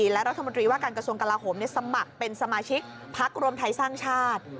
และรัฐมนตรีว่าการกระทรวงกลาโหมสมัครเป็นสมาชิกพักรวมไทยสร้างชาติ